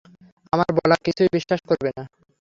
আমার বলা কিছুই বিশ্বাস করবে না।